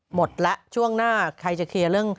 หมดแล้วช่วงหน้าใครจะเคลียร์เรื่อง